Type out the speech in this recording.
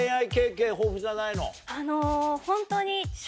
あのホントに。